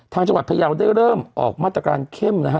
จังหวัดพยาวได้เริ่มออกมาตรการเข้มนะฮะ